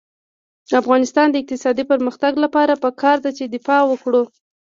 د افغانستان د اقتصادي پرمختګ لپاره پکار ده چې دفاع وکړو.